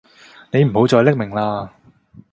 你唔好再匿名喇